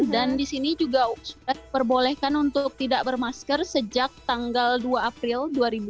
dan di sini juga sudah diperbolehkan untuk tidak bermasker sejak tanggal dua april dua ribu dua puluh dua